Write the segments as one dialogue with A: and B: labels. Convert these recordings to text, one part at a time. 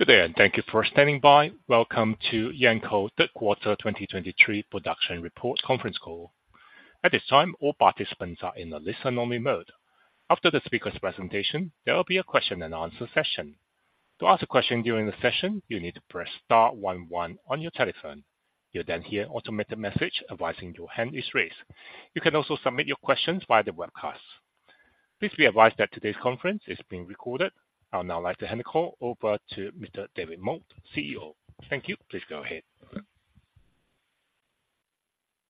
A: Good day. Thank you for standing by. Welcome to Yancoal Q3 2023 production report conference call. At this time, all participants are in a listen-only mode. After the speaker's presentation, there will be a question-and-answer session. To ask a question during the session, you need to press star 1 1 on your telephone. You'll then hear an automated message advising your hand is raised. You can also submit your questions via the webcast. Please be advised that today's conference is being recorded. I would now like to hand the call over to Mr. David Moult, CEO. Thank you. Please go ahead.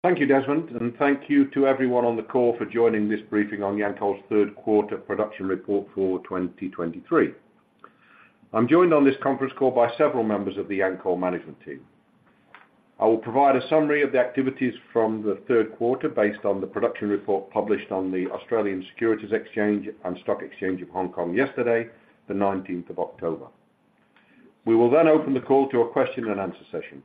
B: Thank you, Desmond, and thank you to everyone on the call for joining this briefing on Yancoal's Q3 production report for 2023. I'm joined on this conference call by several members of the Yancoal management team. I will provide a summary of the activities from the Q3 based on the production report published on the Australian Securities Exchange and Stock Exchange of Hong Kong yesterday, the October 19th. We will then open the call to a question-and-answer session,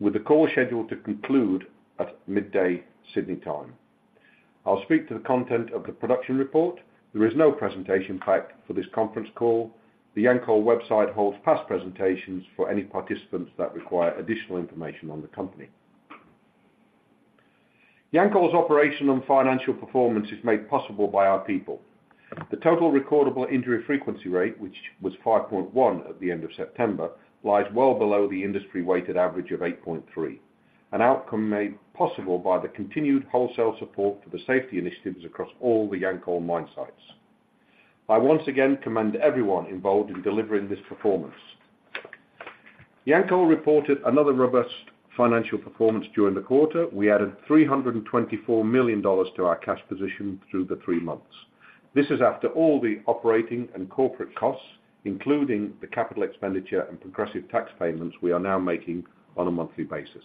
B: with the call scheduled to conclude at midday, Sydney time. I'll speak to the content of the production report. There is no presentation pack for this conference call. The Yancoal website holds past presentations for any participants that require additional information on the company. Yancoal's operational and financial performance is made possible by our people. The Total Recordable Injury Frequency Rate, which was 5.1 at the end of September, lies well below the industry weighted average of 8.3. An outcome made possible by the continued wholesale support for the safety initiatives across all the Yancoal mine sites. I once again commend everyone involved in delivering this performance. Yancoal reported another robust financial performance during the quarter. We added 324 million dollars to our cash position through the three months. This is after all the operating and corporate costs, including the capital expenditure and progressive tax payments we are now making on a monthly basis.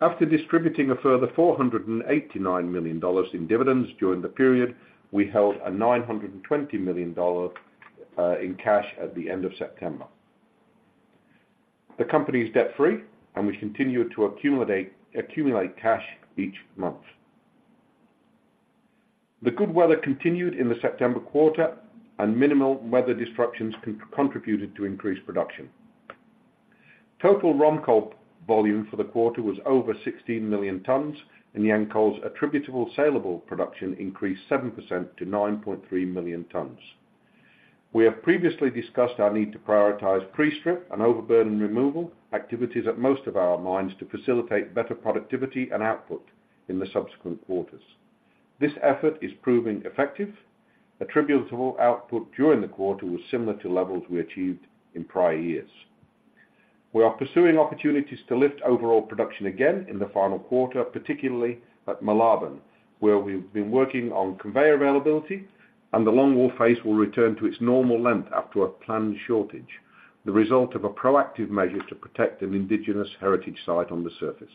B: After distributing a further 489 million dollars in dividends during the period, we held a 920 million dollar in cash at the end of September. The company is debt-free, and we continue to accumulate cash each month. The good weather continued in the September quarter, and minimal weather disruptions contributed to increased production. Total ROM coal volume for the quarter was over 16 million tons, and Yancoal's attributable saleable production increased 7% to 9.3 million tons. We have previously discussed our need to prioritize pre-strip and overburden removal activities at most of our mines to facilitate better productivity and output in the subsequent quarters. This effort is proving effective. Attributable output during the quarter was similar to levels we achieved in prior years. We are pursuing opportunities to lift overall production again in the final quarter, particularly at Moolarben, where we've been working on conveyor availability, and the longwall phase will return to its normal length after a planned shortage, the result of a proactive measure to protect an Indigenous heritage site on the surface.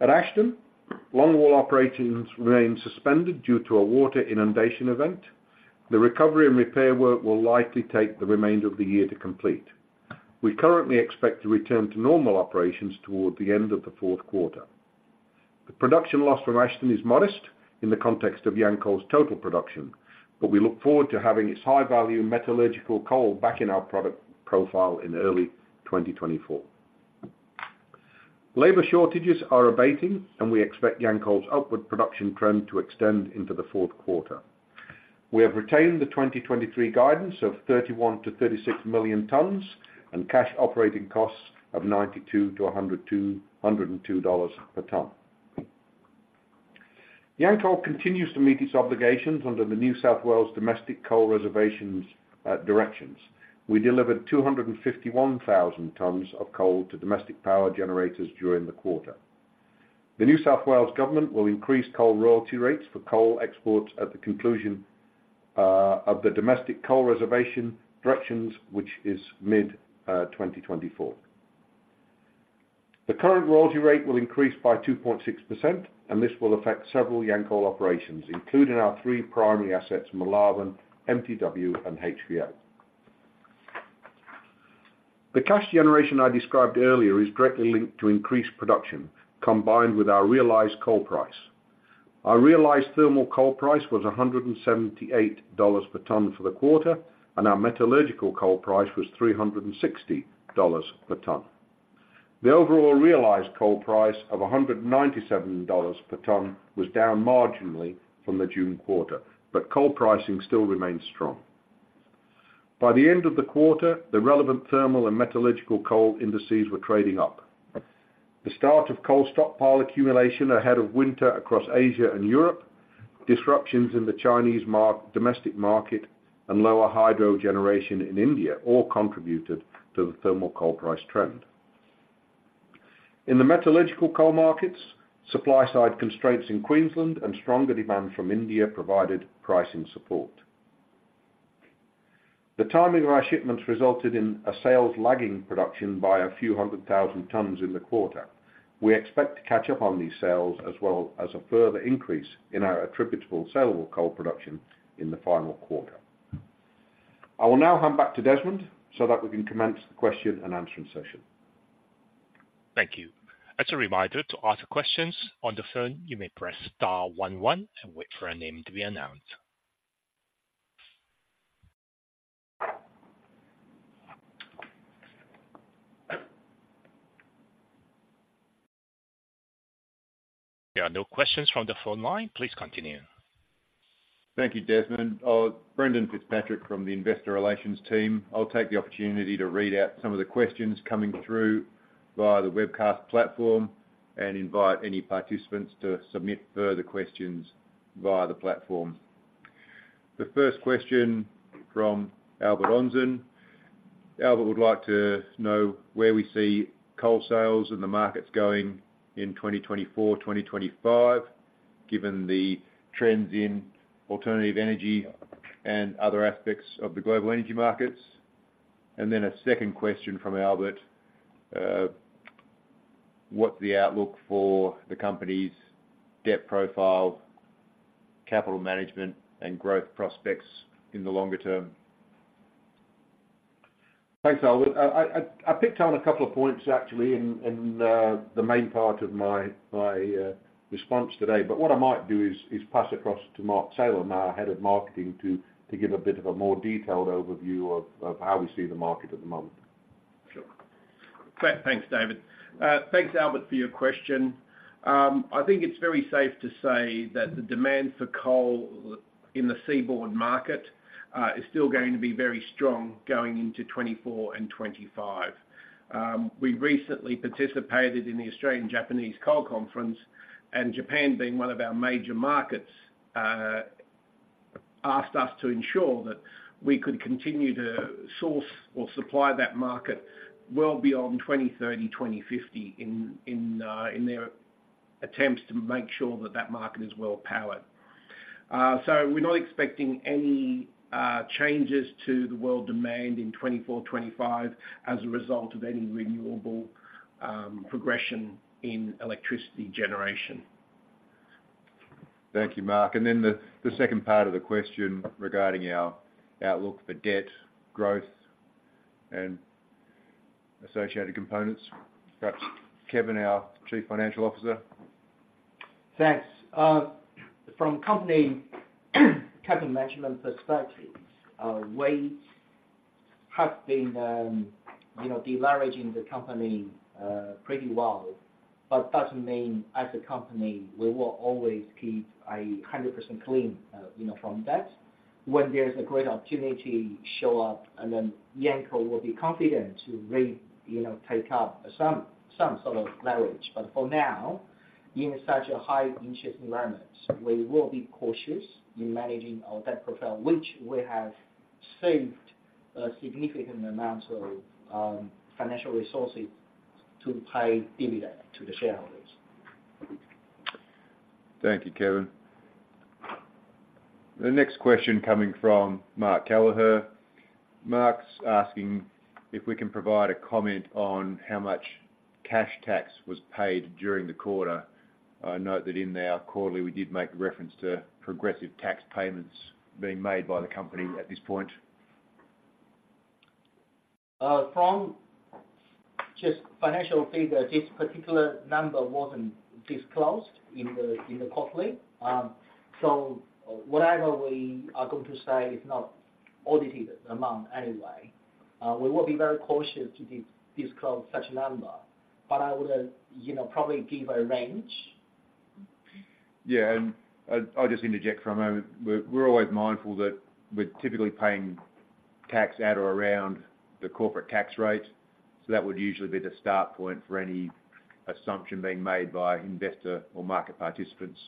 B: At Ashton, longwall operations remain suspended due to a water inundation event. The recovery and repair work will likely take the remainder of the year to complete. We currently expect to return to normal operations toward the end of the Q4. The production loss from Ashton is modest in the context of Yancoal's total production, but we look forward to having its high-value metallurgical coal back in our product profile in early 2024. Labor shortages are abating, and we expect Yancoal's output production trend to extend into the Q4. We have retained the 2023 guidance of 31 million-36 million tons and cash operating costs of 92-102, 102 dollars per ton. Yancoal continues to meet its obligations under the New South Wales Domestic Coal Reservation Directions. We delivered 251,000 tons of coal to domestic power generators during the quarter. The New South Wales government will increase coal royalty rates for coal exports at the conclusion of the Domestic Coal Reservation Directions, which is mid 2024. The current royalty rate will increase by 2.6%, and this will affect several Yancoal operations, including our three primary assets, Moolarben, MTW, and HVO. The cash generation I described earlier is directly linked to increased production, combined with our realized coal price. Our realized thermal coal price was 178 dollars per ton for the quarter, and our metallurgical coal price was 360 dollars per ton. The overall realized coal price of 197 dollars per ton was down marginally from the June quarter, but coal pricing still remains strong. By the end of the quarter, the relevant thermal and metallurgical coal indices were trading up. The start of coal stockpile accumulation ahead of winter across Asia and Europe, disruptions in the Chinese domestic market, and lower hydro generation in India all contributed to the thermal coal price trend. In the metallurgical coal markets, supply-side constraints in Queensland and stronger demand from India provided pricing support. The timing of our shipments resulted in a sales lagging production by a few hundred thousand tons in the quarter. We expect to catch up on these sales, as well as a further increase in our attributable saleable coal production in the final quarter. I will now hand back to Desmond so that we can commence the question-and-answering session.
A: Thank you. As a reminder, to ask questions on the phone, you may press star one one and wait for your name to be announced. There are no questions from the phone line. Please continue.
C: Thank you Desmond. Brendan Fitzpatrick from the Investor Relations team. I'll take the opportunity to read at some of the questions coming through by the webcast platform and invite any participants to submit further question by the platform. The first question from Albert. I would like to know where we see and the markets going in 2024/2025 given the trends in energy and other aspects of the global energy markets and then the second question from Albert, what's the outlook for the company's debt profile, capital management, and growth prospects in the longer term?
B: Thanks, Albert. I picked on a couple of points, actually, in the main part of my response today. What I might do is pass across to Mark Taylor, our Head of Marketing, to give a bit of a more detailed overview of how we see the market at the moment.
C: Sure. Great. Thanks, David. Thanks, Albert, for your question. I think it's very safe to say that the demand for coal in the seaborne market is still going to be very strong going into 2024 and 2025. We recently participated in the Australian Japanese Coal Conference, and Japan, being one of our major markets, asked us to ensure that we could continue to source or supply that market well beyond 2030, 2050, in their attempts to make sure that that market is well-powered. We're not expecting any changes to the world demand in 2024, 2025 as a result of any renewable progression in electricity generation.
B: Thank you, Mark. The second part of the question regarding our outlook for debt, growth, and associated components. Perhaps Kevin, our Chief Financial Officer.
D: Thanks. From company capital management perspective, we have been, you know, de-leveraging the company pretty well. Doesn't mean, as a company, we will always keep 100% clean, you know, from debt. When there's a great opportunity show up, and then Yancoal will be confident to, you know, take up some sort of leverage. For now, in such a high interest environment, we will be cautious in managing our debt profile, which we have saved a significant amount of financial resources to pay dividend to the shareholders.
C: Thank you, Kevin. The next question coming from Mark Kelleher. Mark's asking if we can provide a comment on how much cash tax was paid during the quarter. I note that in our quarterly, we did make a reference to progressive tax payments being made by the company at this point.
D: From just financial view, that this particular number wasn't disclosed in the quarterly. So whatever we are going to say is not audited amount anyway. We will be very cautious to disclose such a number, but I would, you know, probably give a range.
C: Yeah, I'll just interject for a moment. We're always mindful that we're typically paying tax at or around the corporate tax rate, so that would usually be the start point for any assumption being made by investor or market participants.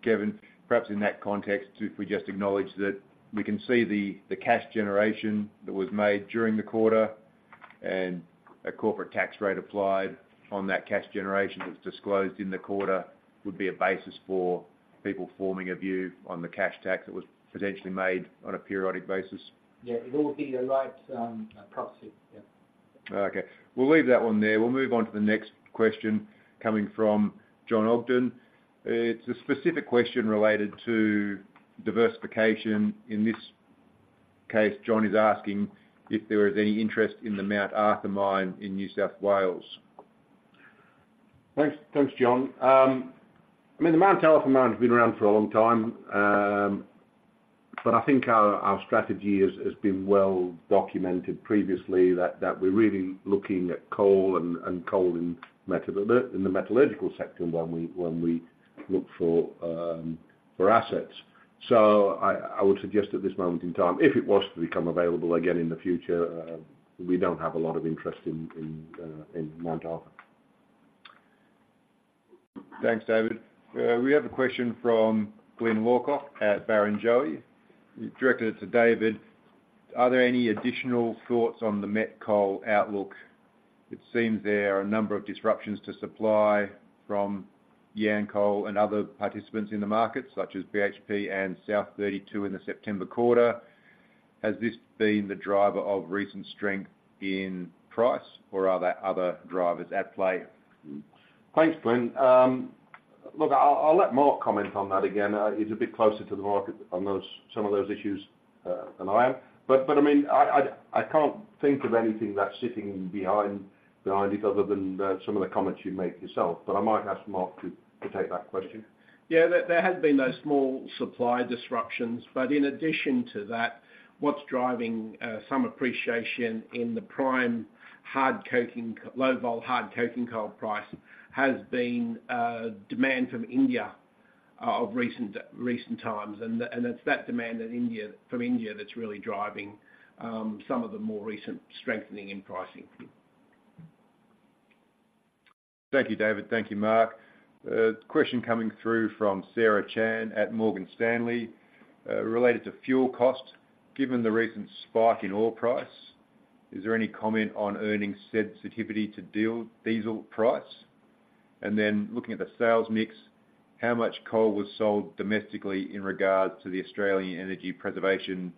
C: Kevin, perhaps in that context, if we just acknowledge that we can see the cash generation that was made during the quarter, and a corporate tax rate applied on that cash generation that was disclosed in the quarter, would be a basis for people forming a view on the cash tax that was potentially made on a periodic basis.
D: Yeah, it will be the right approach. Yeah.
C: Okay. We'll leave that one there. We'll move on to the next question coming from John Ogden. It's a specific question related to diversification. In this case, John is asking if there is any interest in the Mount Arthur mine in New South Wales.
B: Thanks. Thanks, John. I mean, the Mount Arthur mine has been around for a long time. I think our strategy has been well documented previously that we're really looking at coal and coal in the metallurgical sector when we look for assets. I would suggest at this moment in time, if it was to become available again in the future, we don't have a lot of interest in Mount Arthur.
C: Thanks, David. We have a question from Glyn Lawcock at Barrenjoey. He directed it to David. Are there any additional thoughts on the met coal outlook? It seems there are a number of disruptions to supply from Yancoal and other participants in the market, such as BHP and South32, in the September quarter. Has this been the driver of recent strength in price, or are there other drivers at play?
B: Thanks, Glyn. Look, I'll let Mark comment on that again. He's a bit closer to the market on some of those issues than I am. I mean, I can't think of anything that's sitting behind it other than some of the comments you make yourself. I might ask Mark to take that question.
E: Yeah, there have been those small supply disruptions, but in addition to that, what's driving some appreciation in the prime hard coking, low-vol hard coking coal price has been demand from India of recent times. It's that demand in India, from India, that's really driving some of the more recent strengthening in pricing.
C: Thank you, David. Thank you, Mark. Question coming through from Sara Chan at Morgan Stanley related to fuel cost. Given the recent spike in oil price, is there any comment on earnings sensitivity to diesel price? Looking at the sales mix, how much coal was sold domestically in regards to the Australian energy preservation,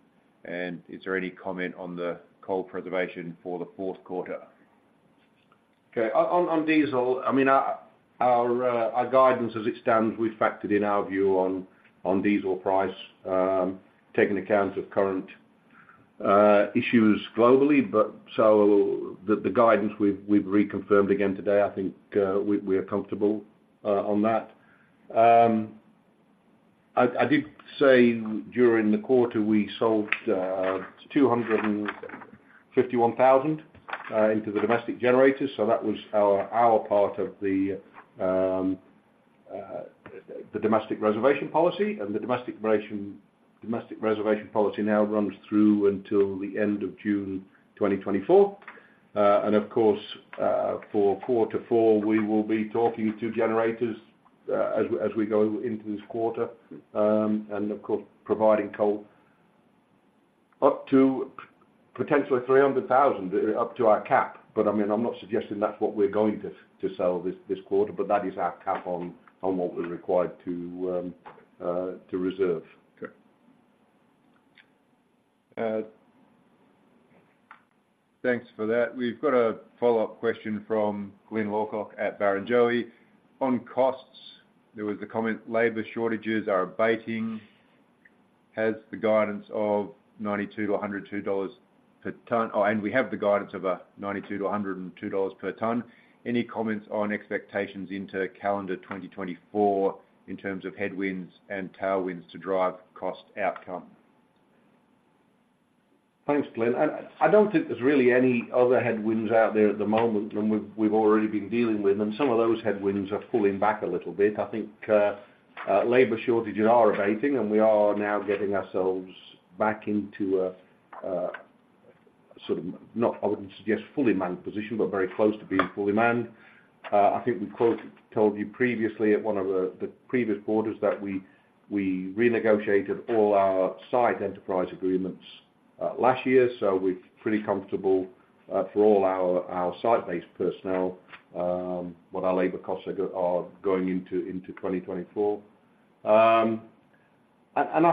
C: and is there any comment on the coal preservation for the Q4?
B: Okay. On diesel, I mean, our guidance as it stands, we've factored in our view on diesel price, taking account of current issues globally. The guidance we've reconfirmed again today, I think we are comfortable on that. I did say during the quarter, we sold 251,000 into the domestic generators, so that was our part of the domestic reservation policy. The domestic reservation policy now runs through until the end of June 2024. Of course, for quarter four, we will be talking to generators as we go into this quarter. Of course, providing coal up to potentially 300,000, up to our cap. I mean, I'm not suggesting that's what we're going to sell this quarter, but that is our cap on what we're required to reserve.
C: Okay, thanks for that. We've got a follow-up question from Glyn Lawcock at Barrenjoey. On costs, there was the comment, "Labor shortages are abating," has the guidance of 92-102 dollars per ton... Oh, and we have the guidance of 92-102 dollars per ton. Any comments on expectations into calendar 2024 in terms of headwinds and tailwinds to drive cost outcome?
B: Thanks, Glyn. I don't think there's really any other headwinds out there at the moment than we've already been dealing with, and some of those headwinds are pulling back a little bit. I think labor shortages are abating, and we are now getting ourselves back into a sort of, not, I wouldn't suggest fully manned position, but very close to being fully manned. I think we told you previously at one of the previous quarters that we renegotiated all our site enterprise agreements last year, so we're pretty comfortable for all our site-based personnel what our labor costs are going into 2024. I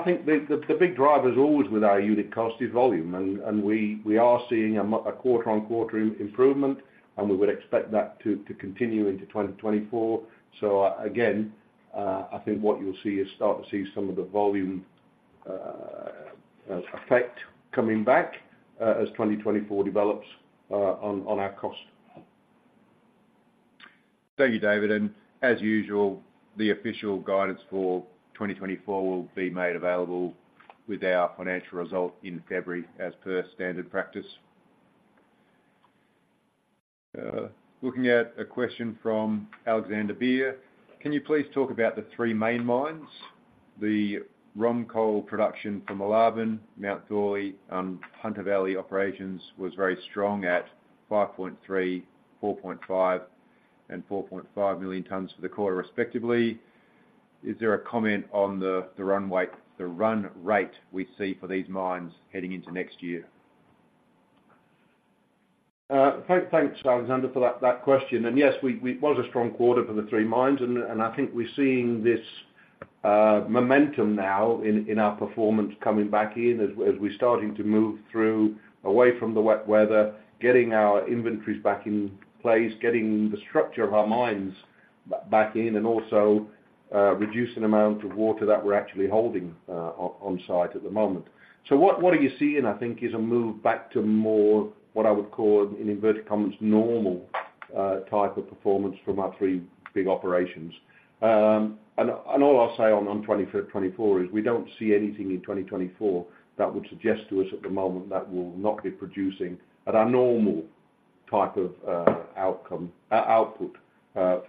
B: think the big driver is always with our unit cost is volume, and we are seeing a quarter-on-quarter improvement, and we would expect that to continue into 2024. Again, I think what you'll see is start to see some of the volume effect coming back as 2024 develops on our cost.
C: Thank you, David. As usual, the official guidance for 2024 will be made available with our financial result in February, as per standard practice. Looking at a question from Alexander Beere. Can you please talk about the three main mines? The ROM coal production from Moolarben, Mount Thorley, and Hunter Valley Operations was very strong at 5.3, 4.5, and 4.5 million tons for the quarter, respectively. Is there a comment on the run rate we see for these mines heading into next year?
B: Thanks, Alexander, for that question. Yes, it was a strong quarter for the three mines, and I think we're seeing this momentum now in our performance coming back in as we're starting to move through, away from the wet weather, getting our inventories back in place, getting the structure of our mines back in, and also reducing the amount of water that we're actually holding on site at the moment. What you're seeing, I think, is a move back to more, what I would call, an inverted commas, "normal" type of performance from our three big operations. All I'll say on 2024 is we don't see anything in 2024 that would suggest to us at the moment that we'll not be producing at our normal type of output for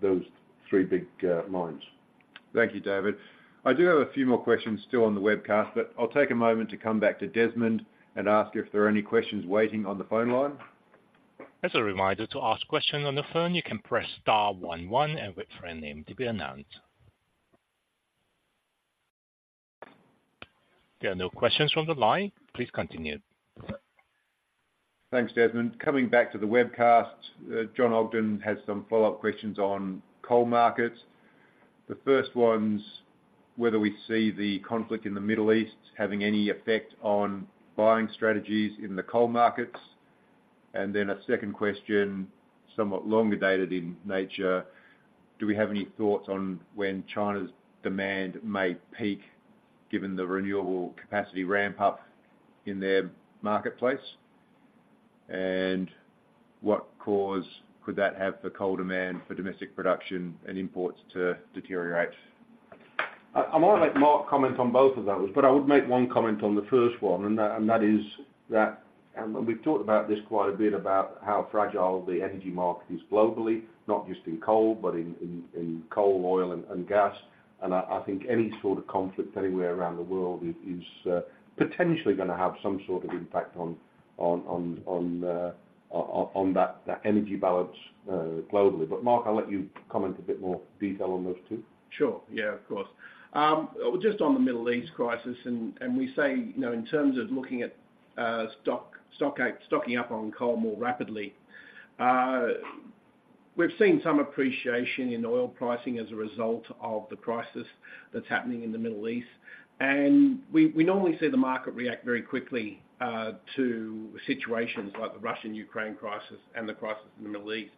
B: those three big mines.
C: Thank you, David. I do have a few more questions still on the webcast, but I'll take a moment to come back to Desmond and ask if there are any questions waiting on the phone line.
A: As a reminder, to ask questions on the phone, you can press star one one and wait for your name to be announced. There are no questions from the line. Please continue.
C: Thanks, Desmond. Coming back to the webcast, John Ogden has some follow-up questions on coal markets. The first one's whether we see the conflict in the Middle East having any effect on buying strategies in the coal markets. A second question, somewhat longer-dated in nature. Do we have any thoughts on when China's demand may peak, given the renewable capacity ramp-up in their marketplace? What cause could that have for coal demand for domestic production and imports to deteriorate?
B: I'm gonna let Mark comment on both of those, but I would make one comment on the first one, and that is that we've talked about this quite a bit, about how fragile the energy market is globally, not just in coal, but in coal, oil, and gas. I think any sort of conflict anywhere around the world is potentially gonna have some sort of impact on that energy balance globally. Mark, I'll let you comment a bit more detail on those two.
E: Sure. Yeah, of course. Just on the Middle East crisis, we say, you know, in terms of looking at stocking up on coal more rapidly, we've seen some appreciation in oil pricing as a result of the crisis that's happening in the Middle East. We normally see the market react very quickly to situations like the Russian-Ukraine crisis and the crisis in the Middle East.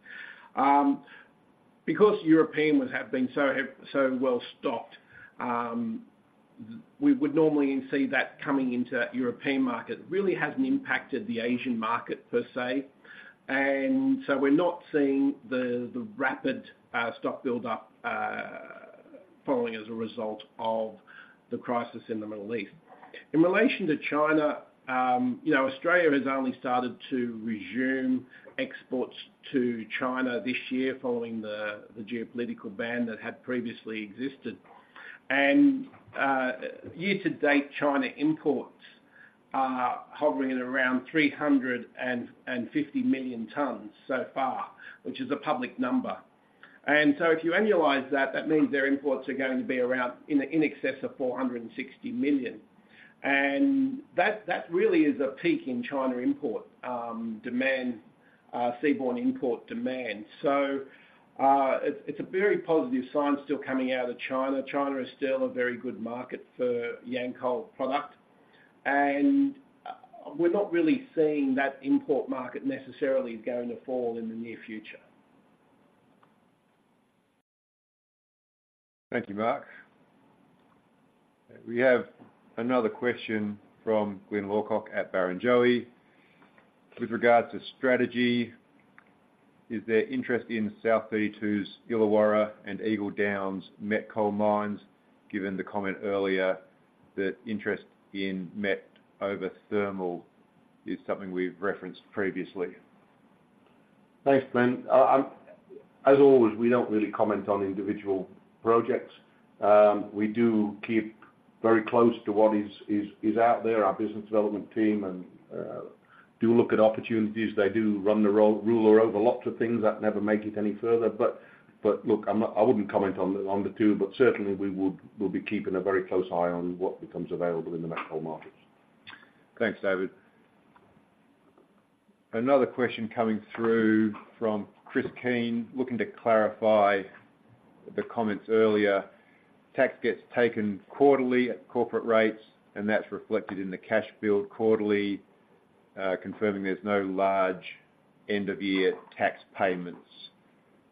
E: Because Europeans have been so, so well-stocked, we would normally see that coming into European market. Really hasn't impacted the Asian market per se, and so we're not seeing the rapid stock build-up falling as a result of the crisis in the Middle East. In relation to China, you know, Australia has only started to resume exports to China this year, following the geopolitical ban that had previously existed. Year-to-date, China imports are hovering at around 350 million tons so far, which is a public number. If you annualize that, that means their imports are going to be around, in excess of 460 million. That really is a peak in China import demand, seaborne import demand. It's a very positive sign still coming out of China. China is still a very good market for Yancoal product, and we're not really seeing that import market necessarily going to fall in the near future.
C: Thank you, Mark. We have another question from Glyn Lawcock at Barrenjoey. With regards to strategy, is there interest in South32's Illawarra and Eagle Downs met coal mines, given the comment earlier that interest in met over thermal is something we've referenced previously?
B: Thanks, Glyn. As always, we don't really comment on individual projects. We do keep very close to what is out there. Our business development team do look at opportunities. They do run the ruler over lots of things that never make it any further. Look, I wouldn't comment on the two, but certainly we'll be keeping a very close eye on what becomes available in the met coal markets.
C: Thanks, David. Another question coming through from Chris Keane, looking to clarify the comments earlier. Tax gets taken quarterly at corporate rates, and that's reflected in the cash build quarterly, confirming there's no large end-of-year tax payments.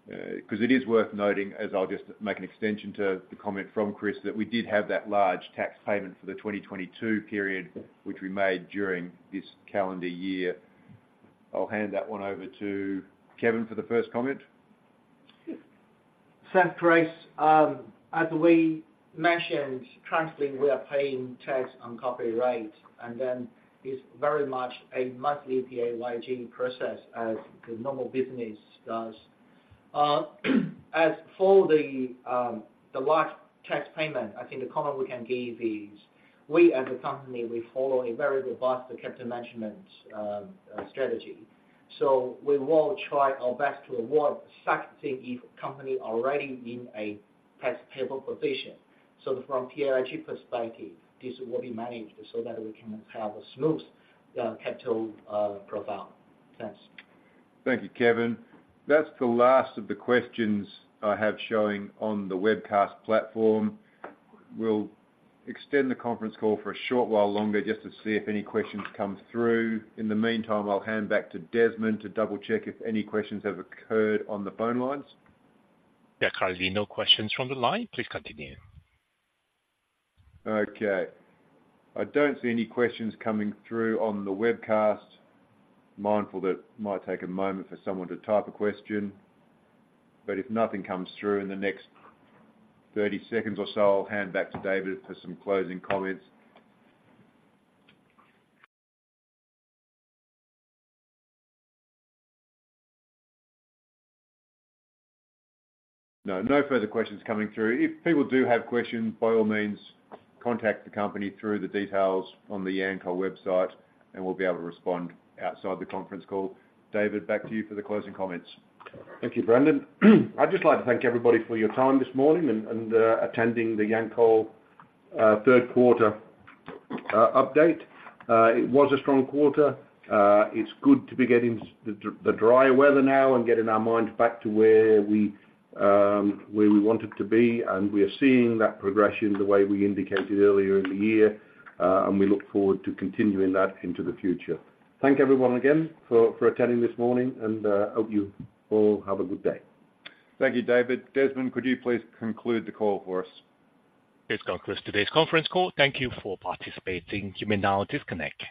C: Because it is worth noting, as I'll just make an extension to the comment from Chris, that we did have that large tax payment for the 2022 period, which we made during this calendar year. I'll hand that one over to Kevin for the first comment.
D: Thanks, Chris. As we mentioned, currently, we are paying tax on corporate, and then it's very much a monthly PAYG process, as the normal business does. As for the large tax payment, I think the comment we can give is, we, as a company, we follow a very robust capital management strategy. We will try our best to avoid such thing if company already in a tax payable position. From PAYG perspective, this will be managed so that we can have a smooth capital profile. Thanks.
C: Thank you, Kevin. That's the last of the questions I have showing on the webcast platform. We'll extend the conference call for a short while longer, just to see if any questions come through. In the meantime, I'll hand back to Desmond to double-check if any questions have occurred on the phone lines.
A: There are currently no questions from the line. Please continue.
C: Okay. I don't see any questions coming through on the webcast. Mindful that it might take a moment for someone to type a question, but if nothing comes through in the next 30 seconds or so, I'll hand back to David for some closing comments. No, no further questions coming through. If people do have questions, by all means, contact the company through the details on the Yancoal website, and we'll be able to respond outside the conference call. David, back to you for the closing comments.
B: Thank you, Brendan. I'd just like to thank everybody for your time this morning and attending the Yancoal Q3 update. It was a strong quarter. It's good to be getting the dry weather now and getting our mines back to where we wanted to be. We are seeing that progression the way we indicated earlier in the year, and we look forward to continuing that into the future. Thank everyone again for attending this morning, and hope you all have a good day.
C: Thank you, David. Desmond, could you please conclude the call for us?
A: This concludes today's conference call. Thank you for participating. You may now disconnect.